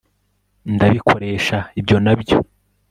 ndabikoresha ibyo nabyo